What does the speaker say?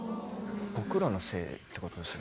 僕らのせいってことですよね。